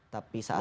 tapi saat itu